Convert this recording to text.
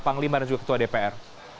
panglima dan juga ketua dpr